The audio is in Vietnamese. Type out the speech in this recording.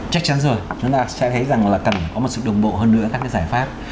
chắc chắn rồi chúng ta sẽ thấy rằng là cần có một sự đồng bộ hơn nữa các cái giải pháp